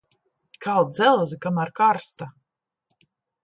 Kal dzelzi, kamēr karsta.